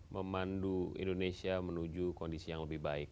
memandu indonesia menuju kondisi yang lebih baik